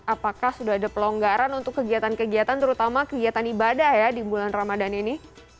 apakah sudah ada pelonggaran untuk kegiatan kegiatan terutama kegiatan ibadah ya di bulan ramadan ini